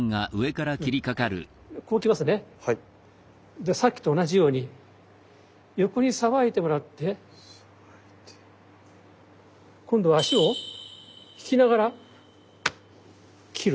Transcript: でさっきと同じように横にさばいてもらって今度は足を引きながら斬ると。は。